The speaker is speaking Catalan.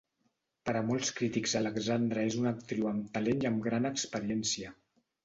Per a molts crítics Alexandra és una actriu amb talent i amb gran experiència.